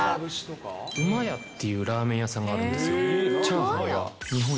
うま屋っていうラーメン屋さんがあるんですよ。